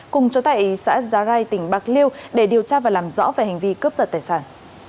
cùng chú tại xã giá rai tỉnh bạc liêu để điều tra và làm rõ về hành vi cướp giật tài sản